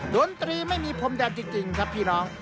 ดนตรีไม่มีพรมแดนจริงครับพี่น้อง